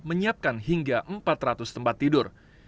menyiapkan hingga empat ratus tempat tidur